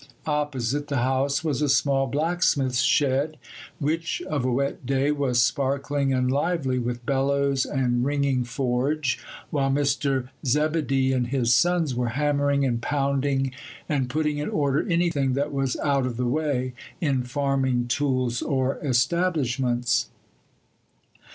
Opposite the house was a small blacksmith's shed, which, of a wet day, was sparkling and lively with bellows and ringing forge, while Mr. Zebedee and his sons were hammering and pounding and putting in order anything that was out of the way in farming tools or establishments.